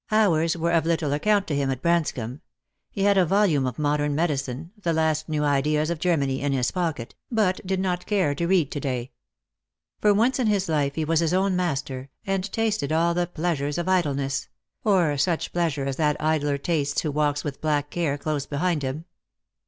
Hours were of little account to him at Branscomb. He had a volume of modern medicine — the last new ideas of Germany — in his pocket, but did not care to read to day. For once in his life he was his own master, and tasted all the pleasures of idleness ; or such pleasure as that idler tastes who walks with black Care close behind him.